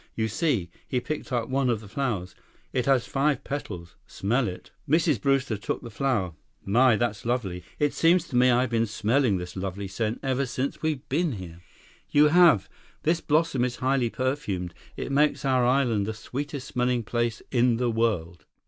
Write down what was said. You see," he picked up one of the flowers, "it has five petals. Smell it." Mrs. Brewster took the flower. "My, that's lovely! It seems to me I've been smelling this lovely scent ever since we've been here." "You have. This blossom is highly perfumed. It makes our island the sweetest smelling place in the world."